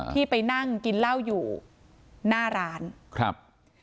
ที่ไปนั่งกินเหล้าอยู่หน้าร้านครับ